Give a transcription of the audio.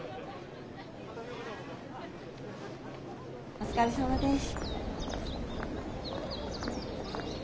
お疲れさまです。